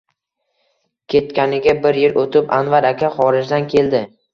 Ketganiga bir yil o`tib, Anvar aka xorijdan keldi